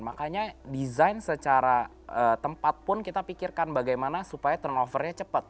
makanya design secara tempat pun kita pikirkan bagaimana supaya turn over nya cepat